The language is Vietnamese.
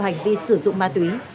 hành vi sử dụng ma túy